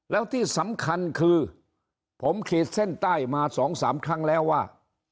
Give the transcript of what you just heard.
แล้วที่สำคัญคือผมขีดเส้นใต้มา๒๓ครั้งแล้วว่า